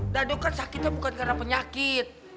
dado kan sakitnya bukan karena penyakit